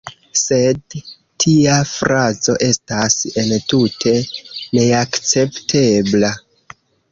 Sed tia frazo estas entute neakceptebla.